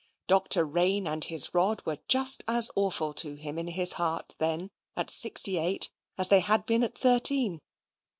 Dr. Raine and his rod were just as awful to him in his heart, then, at sixty eight, as they had been at thirteen.